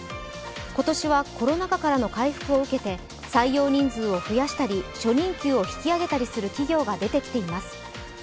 今年は、コロナ禍からの回復を受けて採用人数を増やしたり、初任給を引き上げたりする企業が出てきています。